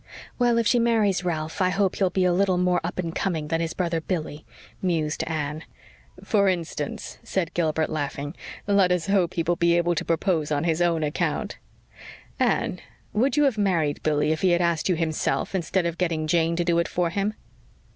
"Well; if she marries Ralph I hope he will be a little more up and coming than his brother Billy," mused Anne. "For instance," said Gilbert, laughing, "let us hope he will be able to propose on his own account. Anne, would you have married Billy if he had asked you himself, instead of getting Jane to do it for him?"